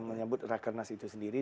menyambut rakernas itu sendiri